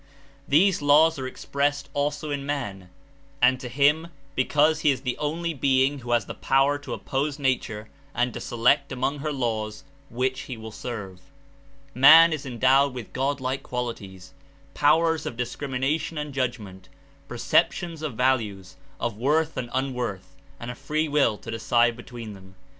These laws are expressed also in man, and to him because he is the only being who has the power to oppose nature and to select among her laws which he will serve. Man Is endowed with God like qualities, powers of discrimination and judgment, perceptions of values — of worth and unworth and a free will to decide between them.